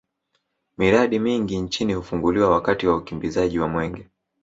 miradi mingi nchini hufunguliwa wakati wa ukimbizaji wa mwenge